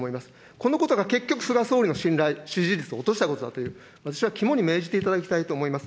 このことが結局、菅総理の信頼、支持率を落としたと、私は肝に銘じていただきたいと思います。